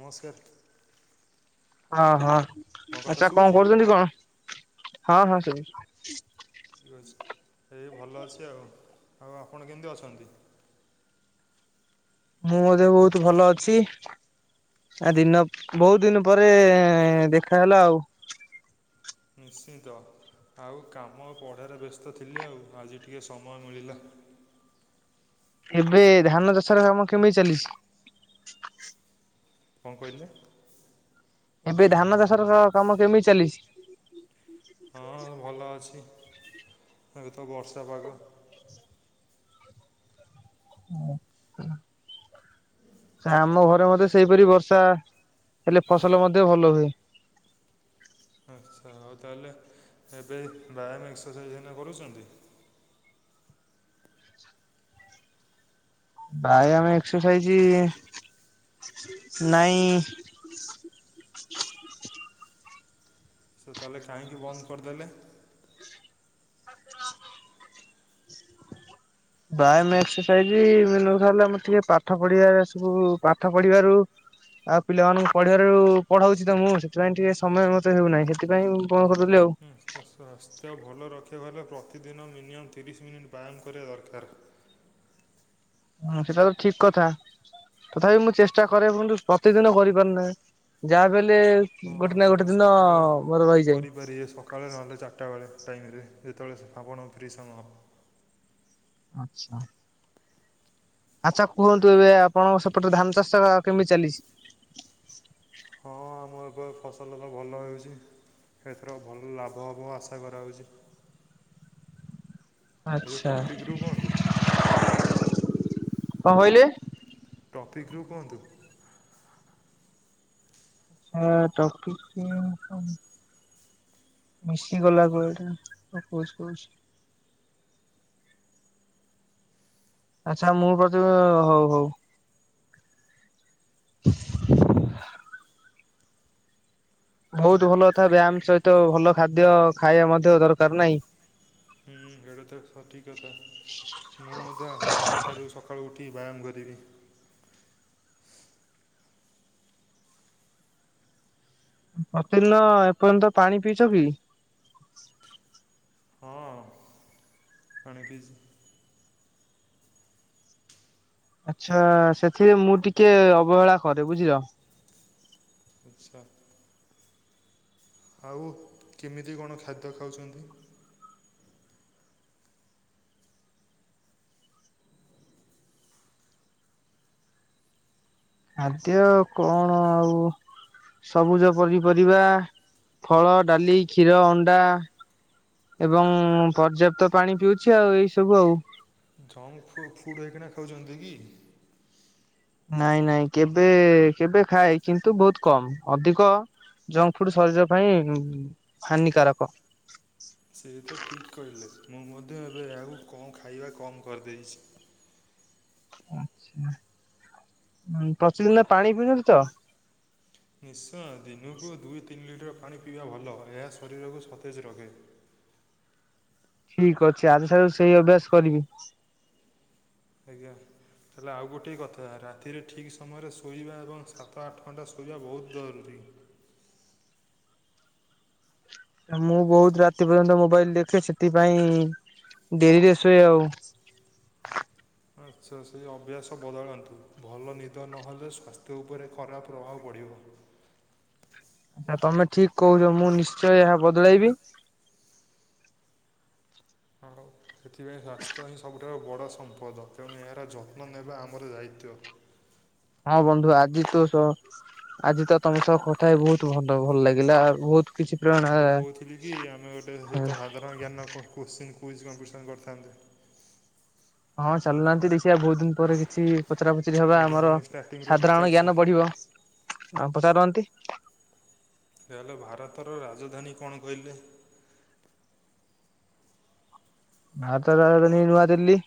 ନମସ୍କାର ହଁ ହଁ ମୋ କଥା ଆଚ୍ଛା କଣ ଶୁଭୁଛି କରୁଛନ୍ତି କଣ? ଠିକ୍ ଅଛି ଏଇ ଭଲ ଅଛି ଆଉ। ଆଉ ଆପଣ କେମିତି ଅଛନ୍ତି? ମୁଁ ମଧ୍ୟ ବହୁତ ଭଲ ଅଛି। ଆ ଦିନ ବହୁତ ଦିନ ପରେ ଦେଖାହେଲା ଆଉ। ନିଶ୍ଚିନ୍ତ ଆଉ କାମ ପଢ଼ାରେ ବ୍ୟସ୍ତ ଥିଲି ଆଉ ଆଜି ଟିକେ ସମୟ ମିଳିଲା। ଏବେ ଧାନ ଚାଷର କାମ କେମିତି ଚାଲିଛି? କଅଁ କହିଲେ? ଏବେ ଧାନ ଚାଷର କାମ କେମିତି ଚାଲିଛି? ହଁ ଭଲ ଅଛି ଏବେ ତ ବର୍ଷା ପାଗ। ହଉ। ଆମ ଘରେ ମଧ୍ୟ ସେହିପରି ବର୍ଷା ହେଲେ ଫସଲ ମଧ୍ୟ ଭଲ ହୁଏ। ଆଚ୍ଛା ହଉ ତାହେଲେ ଏବେ ବ୍ୟାୟାମ ଏକ୍ସରସାଇଜ୍ ଏଇନା କରୁଛନ୍ତି? ଭାଇ ଆମେ ଏକ୍ସରସାଇଜ ନାଇଁ ସେ ତାହେଲେ କାହିଁକି ବନ୍ଦ କରିଦେଲେ? ବାୟାମ ଏକ୍ସରସାଇଜ ମେନ୍ କଥା ହେଲା ମୋର ଟିକେ ପାଠ ପଢ ସବୁ ପାଠ ପଢିବାରୁ ଆଉ ପିଲାମାନଙ୍କୁ ପଢିବାରୁ ପଢାଉଛି ତ ମୁଁ ସେଥିପାଇଁ ଟିକେ ସମୟ ମତେ ହେଉନାହିଁ ସେଥିପାଇଁ କଣ କରୁଦଥିଲି ଆଉ। ସ୍ୱାସ୍ଥ୍ୟ ଭଲ ରଖିବାକୁ ହେଲେ ପ୍ରତିଦିନ ମିନିମମ୍ ତିରିଶ ମିନିଟ୍ ବ୍ୟାୟାମ କରିବା ଦରକାର। ହଁ ସେଟା ତ ଠିକ କଥା। ତଥାପି ମୁଁ ଚେଷ୍ଟା କରେ କିନ୍ତୁ ପ୍ରତିଦିନ କରିପାରୁନାହିଁ ଯାହା ବି ହେଲେ ହଁ ଗୋଟେ ନା ଗଲେ ଗୋଟେ ଦିନ ସକାଳେ ମୋର ରହିଯାଏ। [unintelligible] ସକାଳେ ନହେଲେ ଚାରିଟା ବେଳେ ଟାଇମ୍ ରେ ଯେତେବେଳେ ଆପଣ ଫ୍ରି ସମୟ ଆଚ୍ଛା? ଆଚ୍ଛା କୁହନ୍ତୁ ଏବେ ଆପଣଙ୍କ ସେପଟେ ଧାନ ଚାଷ କେମିତି ଚାଲିଛି? ହଁ ଆମ ଏବେ ଫସଲ ଭଲ ହେଉଛି। ଏଥର ଭଲ ଲାଭ ହବ ଆଶା କରାହଉଛି। ଏ ଯେଉଁ ଆଚ୍ଛା। ଟପିକ୍ରୁ କୁହନ୍ତୁ କଣ କହିଲେ? ଟପିକ୍ ରୁ କୁହନ୍ତୁ। ହଁ ଟପିକ କଣ [unintelligible] ମିଶି ଗଲା କୁ ଏଟା କହୁ କହୁଛି [inaudible] ଆଚ୍ଛା ମୁଁ ବୌଦ୍ଧଏ ହଉ ହଉ। ବହୁତ ଭଲ କଥା ବ୍ୟାୟାମ ସହିତ ଭଲ ଖାଦ୍ୟ ଖାଇବା ମଧ୍ୟ ଦରକାର ନାହିଁ। ହୁଁ ଏଇଟା ତ ସଠିକ କଥା। ମୁଁ ମଧ୍ୟ ଆସନ୍ତାକାଲିଠାରୁ ସକାଳୁ ଉଠି ବ୍ୟାୟାମ କରିବି। ପ୍ରତିଦିନ ଏପର୍ଯ୍ୟନ୍ତ ପାଣି ପିଇଛ କି? ହଁ ପାଣି ପିଇଛି। ଆଚ୍ଛା ସେଥିରେ ମୁଁ ଟିକେ ଅବହେଳା କରେ ବୁଝିିଲ। ଆଚ୍ଛା। ଆଉ କେମିତି କଣ ଖାଦ୍ୟ ଖାଉଛନ୍ତି? ଖାଦ୍ୟ କଣ ଆଉ ସବୁଜ ପନିପରିବା, ଫଳ, ଡାଲି, କ୍ଷୀର, ଅଣ୍ଡା। ଏବଂ ପର୍ଯ୍ୟାପ୍ତ ପାଣି ପିଉଛି ଆଉ ଏଇ ସବୁ ଆଉ। ଜଙ୍କ ଫୁଡ଼୍ ଫୁଡ୍ ହେଇକିନା ଖାଉଛନ୍ତି କି? ନାଇଁ ନାଇଁ କେବେ କେବେ ଖାଏ କିନ୍ତୁ ବୋହୁତ କମ୍ ଅଧିକ ଜଙ୍କ୍ ଫୁଡ୍ ଶରୀର ପାଇଁ ହାନିକାରକ। ସେ ତ ଠିକ୍ କହିଲେ। ମୁଁ ମଧ୍ୟ ଏବେ ଆଉ କଣ ଖାଇବା କମ୍ କରିଦେଇଚି। ଆଚ୍ଛା ପ୍ରତିଦିନ ପାଣି ପିଉଚନ୍ତି ତ? ନିଶ୍ଚୟ ଦିନକୁ ଦୁଇ ତିନି ଲିଟର ପାଣି ପିଇବା ଭଲ। ଏହା ଶରୀରକୁ ସତେଜ ରଖେ। ଠିକ୍ ଅଛି ଆଜି ଠାରୁ ସେଇ ଅଭ୍ୟାସ କରିବି। ଆଜ୍ଞା। ତାହେଲେ ଆଉ ଗୋଟିଏ କଥା ରାତିରେ ଠିକ୍ ସମୟରେ ଶୋଇବା ଏବଂ ସାତ ଆଠ ଘଣ୍ଟା ଶୋଇବା ବୋହୁତ ଦରୁରୀ। ଆ ମୁଁ ବୋହୁତ ରାତି ପର୍ଯ୍ୟନ୍ତ ମୋବାଇଲ୍ ଦେଖେ ସେଥିପାଇଁ ଡେରିରେ ଶୁଏ ଆଉ। ଆଚ୍ଛା ସେଇ ଅଭ୍ୟାସ ବଦଳାନ୍ତୁ ଭଲ ନିଦ ନହେଲେ ସ୍ୱାସ୍ଥ୍ୟ ଉପରେ ଖରାପ ପ୍ରଭାବ ପଡିବ। ଆ ତମେ ଠିକ୍ କୋହୁଚ। ମୁଁ ନିଶ୍ଚୟ ଏହା ବଦଳାଇବି। ଆଉ ସେଥିପାଇଁ ସ୍ୱାସ୍ଥ୍ୟ ହିଁ ସବୁଠୁାରୁ ବଡ ସମ୍ପଦ ତେଣୁ ଏହାର ଯତ୍ନ ନେବା ଆମର ଦାୟିତ୍ୱ। ହଁ ବନ୍ଧୁ ଆଜି ତ ଆଜି ତ ସ ଆଜି ତ ତମ ସହ କଥା ହେଇ ବୋହୁତ ଭଲ ଭଲ ଲାଗିଲା ଆ ବୋହୁତ ମୁଁ କୋହୁଥିଲି କି ଆମେ ଗୋଟେ ଶ୍ଵତ ସାଧାରଣ ଜ୍ଞାନ କ କୋଶ୍ଚିନ୍ କୁଇଜ୍ କମ୍ପିଟିସନ୍ କରିଥାନ୍ତେ। ହଁ ଚାଲୁ ନାହାନ୍ତି ଦେଖିଆ ବୋହୁତ ଦିନ ପରେ କିଛି ପଚରା ପଚୁରି ହବା ତାହେଲେ ଆମର ମୁଁ ଷ୍ଟାର୍ଟିଂରୁ ସାଧାରଣ ପଚାରୁଛି ଜ୍ଞାନ ବଢିବ ଆଉ ପଚାରନ୍ତି। ହେଲେ ଭାରତର ରାଜଧାନୀ କଣ କହିଲେ? [unintelligible] ନୂଆଦିଲ୍ଲୀ।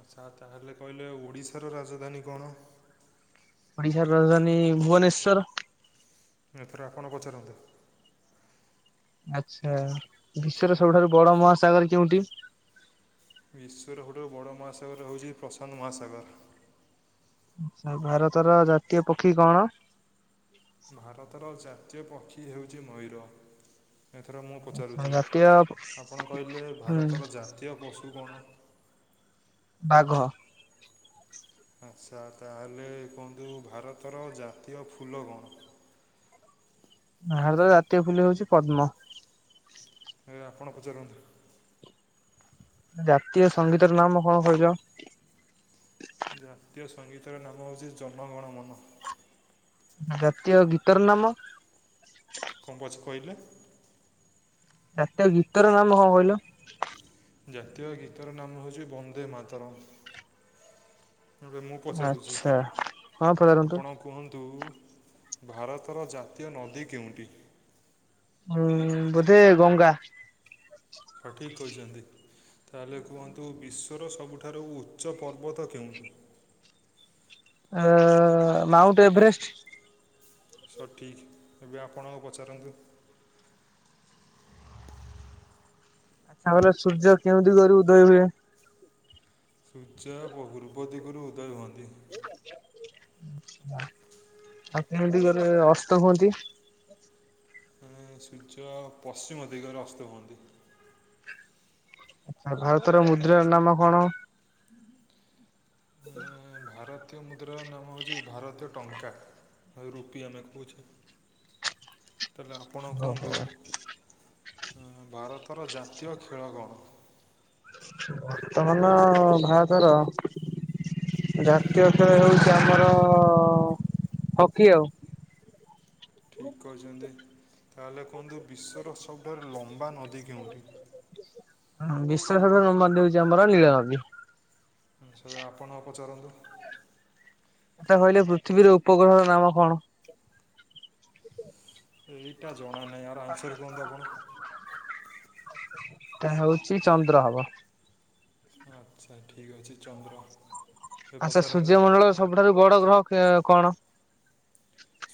ଆଚ୍ଛା ତାହେଲେ କହିଲେ ଓଡିଶାର ରାଜଧାନୀ କଣ? ଓଡିଶାର ରାଜଧାନୀ ଭୁବନେଶ୍ଵର। ଏଥରେ ଆପଣ ପଚାରନ୍ତୁ। ଆଚ୍ଛା ବିଶ୍ଵର ସବୁଠାରୁ ବଡ ମହାସାଗର କେଉଁଠି? ବିଶ୍ୱର ସବୁଠାରୁ ବଡ ମହାସାଗର ହୋଉଚି ପ୍ରଶାନ୍ତ ମହାସାଗର। ଆଚ୍ଛା ଭାରତର ଜାତୀୟ ପକ୍ଷୀ କଣ? ଭାରତର ଜାତୀୟ ପକ୍ଷୀ ହେଉଚି ମୟୂର। ଏଥର ମୁଁ ଆଚ୍ଛା ପଚାରୁଚି। ଜାତୀୟ ଆପଣ କହିଲେ ହୁଁ ଭାରତର ଜାତୀୟ ପଶୁ କଣ? ବାଘ। ଆଚ୍ଛା ତାହେଲେ କୁହନ୍ତୁ ଭାରତର ଜାତୀୟ ଫୁଲ କଣ? ହାରତ ଜାତୀୟ ଫୁଲ ହୋଉଚି ପଦ୍ମ। ଏବେ ଆପଣ ପଚାରନ୍ତୁ। ଜାତୀୟ ସଙ୍ଗୀତର ନାମ କଣ କହିଲ? ଜାତୀୟ ସଙ୍ଗୀତର ନାମ ହୋଉଚି ଜନଗଣ ମନ ଜାତୀୟ ଗୀତର ନାମ? କଣ ପଚ କହିଲେ? ଜାତୀୟ ଗୀତର ନାମ କଣ କହିଲ? ଜାତୀୟ ଗୀତର ନାମ ହୋଉଚି ବନ୍ଦେ ମାତାରାମ୍। ଏବେ ମୁଁ ପଚାରୁଛଚି। ଆଚ୍ଛା ହଁ ପଚାରନ୍ତୁ ଆପଣ କୁହନ୍ତୁ ଭାରତର ଜାତୀୟ ନଦୀ କେଉଁଠି? ଉଁ ବୋଧେ ଗଙ୍ଗା। ହଁ ଠିକ୍ କହିଚନ୍ତି। ତାହେଲେ କୁହନ୍ତୁ ବିଶ୍ଵର ସବୁଠାରୁ ଉଚ୍ଚ ପର୍ବତ କେଉଁଠି? ଏଁ ମାଉଣ୍ଟ ଏଭରେଷ୍ଟ। ସଠିକ୍ ଏବେ ଆପଣ ଆଉ ପଚାରନ୍ତୁ। ତାପରେ ସୂର୍ଯ୍ୟ କେଉଁ ଦିଗରୁ ଉଦୟ ହୁଏ? ସୂଚା ବହୁରୂପ ଦିଗରୁ ଉଦୟ ହୁଅନ୍ତି। ଆଉ କେଉଁ ଦିଗରେ ଅସ୍ତ ହୁଅନ୍ତି? ଉଁ ସୂର୍ଯ୍ୟ ପଶ୍ଚିମ ଦିଗରେ ଅସ୍ତ ହୁଅନ୍ତି। ଆଛା ଭାରତର ମୁଦ୍ରା ନାମ କଣ? ଏଁ, ଭାରତୀୟ ମୁଦ୍ରାର ନାମ ହେଉଛି ଭାରତୀୟ ଟଙ୍କା ଆଉ ରୁପି ଆମେ କହୁଛେ। ତାହେଲେ ଆପଣ କୁହନ୍ତୁ? ଅ ଭାରତର ଜାତୀୟ ଖେଳ କଣ? ବର୍ତ୍ତମାନ ଭାରତ ର ଜାତୀୟ ଖେଳ ହେଉଛି ଆମର ହକି ଆଉ। ଠିକ୍ କହିଛନ୍ତି ତାହେଲେ କୁହନ୍ତୁ ବିଶ୍ୱର ସବୁଠାରୁ ଲମ୍ବା ନଦୀ କେଉଁଠି? ହଁ ବିଶ୍ୱର ସବୁଠାରୁ ନମ୍ବର ଦଉଛି ଆମର ଲୀଳ ନଦୀ। ଆଛା ଆପଣ ପଚାରନ୍ତୁ। ଏଟା କହିଲେ ପୃଥିବୀର ଉପଗ୍ରହର ନାମ କଣ? ଏଇଟା ଜଣା ନାହିଁ ଆର୍ ଆନ୍ସର୍ କୁହନ୍ତୁ ଆପଣ? ଏଟା ହଉଛି ଚନ୍ଦ୍ର ହବ। ଆଚ୍ଛା ଠିକ୍ ଅଛି ଚନ୍ଦ୍ର। ଏବେ ଆଚ୍ଛା ପଚାରନ୍ତୁ। ସୂର୍ଯ୍ୟମଣ୍ଡଳର ସବୁଠାରୁ ବଡ ଗ୍ରହ କେ କଣ?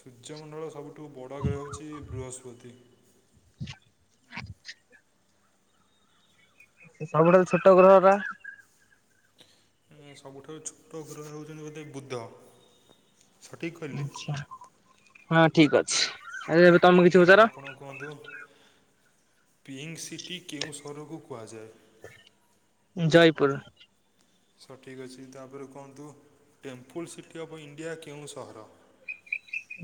ସୂର୍ଯ୍ୟମଣ୍ଡଳର ସବୁଠୁ ବଡ଼ ଗ୍ରହ ହେଉଛି ବୃହସ୍ପତି। ସେ ସବୁଠାରୁ ଛୋଟ ଗ୍ରହ ଟା? ସବୁଠାରୁ ଛୋଟ ଗ୍ରହ ହେଉଛନ୍ତି ବୋଧେ ବୁଦ୍ଧ ସଠିକି କହିଲି? ଆଚ୍ଛା। ହଁ ଠିକ ଅଛି। ଆରେ ଏବେ ତମେ କିଛି ତାହେଲେ ପଚାର ଆପଣ କୁହନ୍ତୁ ପିଙ୍କ ସିଟି କେଉଁ ସହରକୁ କୁହାଯାଏ? ଜୟପୁର। ସଠିକ୍ ଅଛି ତାପରେ କୁହନ୍ତୁ ଟେମ୍ପୁଲ୍ ସିଟି ଅଫ୍ ଇଣ୍ଡିଆ କେଉଁ ସହର?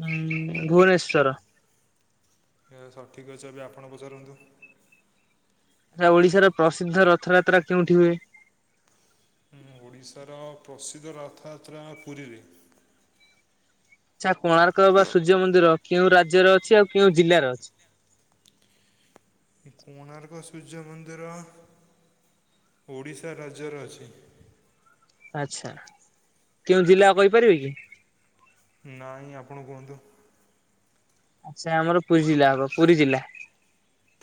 ଉୁଁ ଭୁବନେଶ୍ଵର। ସଠିକ୍ ଅଛି ଏବେ ଆପଣ ପଚାରନ୍ତୁ। ଆଛା ଓଡିଶାର ପ୍ରସିଦ୍ଧ ରଥଯାତ୍ରା କେଉଠି ହୁଏ? ଉଁ ଓଡ଼ିଶାର ପ୍ରସିଦ୍ଧ ରଥଯାତ୍ରା ପୁରୀରେ। ଆଚ୍ଛା କୋଣାର୍କ ବା ସୂର୍ଯ୍ୟ ମନ୍ଦିର କେଉଁ ରାଜ୍ୟରେ ଅଛି ଆଉ କେଉଁ ଜିଲ୍ଲାରେ ଅଛି? କୋଣାର୍କ ସୂର୍ଯ୍ୟ ମନ୍ଦିର ଓଡ଼ିଶା ରାଜ୍ୟର ଅଛି। ଆଚ୍ଛା କେଉଁ ଜିଲ୍ଲା କହିପାରିବେ କି? ନାଇ ଆପଣ କୁହନ୍ତୁ? ଆସା ଆମର ପୁରୀ ଜିଲ୍ଲା ହବ ପୁରୀ ଜିଲ୍ଲା।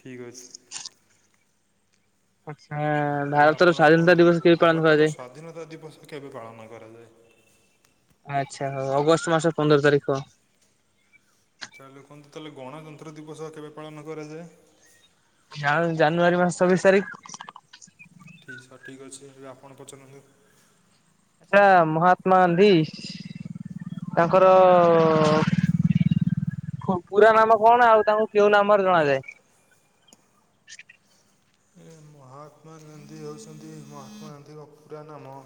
ଠିକ୍ ଅଛି। ଆଚ୍ଛା। ତାଲେ ଭାରତର ଆପଣ ସ୍ଵାଧୀନତା କୁହନ୍ତୁ ଦିବସ କେବେ ପାଳନ ଭାରତର କରାଯାଏ? ସ୍ୱାଧୀନତା ଦିବସ କେବେ ପାଳନ କରାଯାଏ? ଆଚ୍ଛା ହଉ ଅଗଷ୍ଟ ମାସ ପନ୍ଦର ତାରିଖ। ତାହେଲେ କୁହନ୍ତୁ ତାହେଲେ ଗଣତନ୍ତ୍ର ଦିବସ କେବେ ପାଳନ କରାଯାଏ? ଯା ଜାନୁଆରୀ ମାସ ଛବିଶି ତାରିଖ। ଠିକ୍ ସଠିକ୍ ଅଛିି ଏବେ ଆପଣ ପଚାରନ୍ତୁ। ଆଚ୍ଛା ମହାତ୍ମା ଗାନ୍ଧୀ ତାଙ୍କର କ ପୁରା ନାମ କଣ ଆଉ ତାଙ୍କୁ କେଉଁ ନାମରେ ଜଣାଯାଏ? ଏ ମହାତ୍ମା ଗାନ୍ଧୀ ହେଉଛନ୍ତି, ମହାତ୍ମା ଗାନ୍ଧୀଙ୍କ ପୁରା ନାମ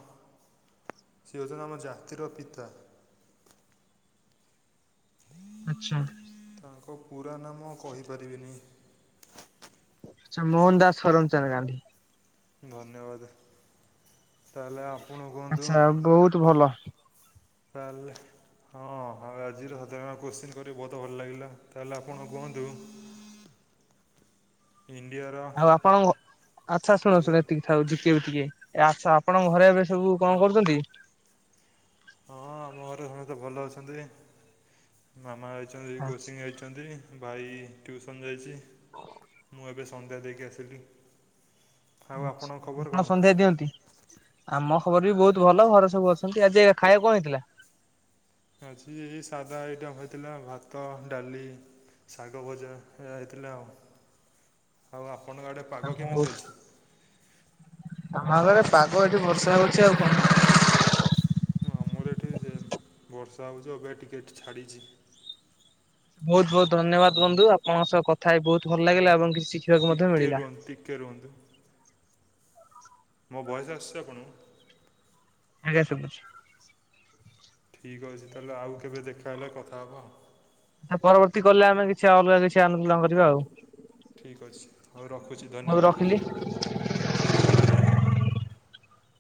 ସେ ହେଉଚନ୍ତି ଆମ ଜାତିର ପିତା। ଆଛା। ଓ, ପୁରା ନାମ କହିପାରିବିନି। ଆଛା, ମୋହନ ଦାସ କରମଚାନ୍ଦ ଗାନ୍ଧୀ। ଧନ୍ୟବାଦେ, ତାଏଲେ ଆଛା, ବହୁତ ଭଲ। ତାଲେ ହଁ ଅଁ, ଆଜିର ସାଧାରଣ କୋଶ୍ଚିନ୍ କରି ବହୁତ ଭଲ ଲାଗିଲା, ତାହାଲେ ଆପଣ କୁହନ୍ତୁ [inaudible] ଇଣ୍ଡିଆର ଆଉ ଆପଣ, ଆଛା, ଶୁଣ ଆଜ୍ଞା ଶୁଣ ଏତିକି [unintelligible] ଟିକେ, ଆଛା, ଆପଣଙ୍କ ଘରେ ଏବେ ସବୁ କଣ କରୁଚନ୍ତି? ହଁ, ଆମ ଘରେ ସମସ୍ତେ ଭଲ ଅଛନ୍ତି, ମାମା ଅଛନ୍ତି ଆଚ୍ଛା କୋଚିଙ୍ଗ ଯାଇ ସେମିତି, ଭାଇ ଟ୍ୟୁସନ୍ ଯାଇଚି। ମୁଁ ଏବେ ସନ୍ଧ୍ୟା ଦେଇକି ଆସିଲି। ଆଉ ଆଛା, ଆପଣଙ୍କ ଖବର କଣ ଆପଣ ସନ୍ଧ୍ୟା ଦିଅନ୍ତି? ଆମ ଖବର ବି ବହୁତ ଭଲ, ଘରେ ସବୁ ଅଛନ୍ତି, ଆଜି ଖାଇଆକୁ କଣ ହେଇଥିଲା? ଆଜି ଏଇ ସାଦା ଆଇଟମ୍ ହୋଇଥିଲା, ଭାତ, ଡାଲି ଶାଗ ଭଜା ଏଇଆ ହେଇଥିଲା ଆଉ, ଆଉ ଆପଣଙ୍କ ଆଡେ [unintelligible] ପାଗ ଏଠି ବର୍ଷା ହଉଚି ଆଉ କଣ? ହଁ, ଆମର ଏଠି ସେ ବର୍ଷା ହଉଚି, ଅବିକା ଟିକେଟ୍ ଏଠି ଛାଡ଼ିଚି। ବହୁତ ବହୁତ ଧନ୍ୟବାଦ ବନ୍ଧୁ, ଆପଣଙ୍କ ସହ କଥା ହେଇ ବହୁତ ଭଲ ଲାଗିଲା, ଏବଂ କିଛି ଶିଖ୍ ଟିକେ ରୁହନ୍ତୁ, ଟିକେ ରୁହନ୍ତୁ। ମୋ ଭଏସ୍ ଆସିଛି ଆପଣଙ୍କୁ? ଆଜ୍ଞା ଶୁବୁଚି। ଠିକ୍ ଅଛି, ତାଲେ ଆଉ କେବେ ଦେଖାହେଲେ କଥା ହବା ଆ। ଆ ପରବର୍ତ୍ତୀ କଲ୍ ରେ, ଆମେ କିଛି ଅଲଗା କିଛି ଆଲୋଚନା କରିବା ଆଉ। ଠିକ୍ ଅଛି, ହଉ ରଖୁଚି, ମୁଁ ଧନ୍ୟବାଦ। ରଖିଲି।